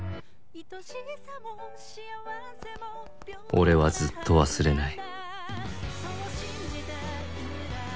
「俺はずっと忘れない」。